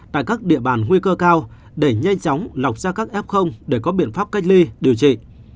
tại các địa bàn nguy cơ cao để nhanh chóng lọc ra các f để có biện pháp cách ly điều trị